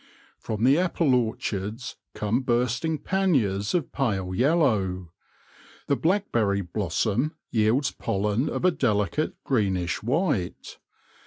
From the apple orchards come bursting panniers of pale yellow ; the black berry blossom yields pollen of a delicate greenish white.